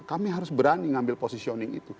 kami harus berani ngambil positioning itu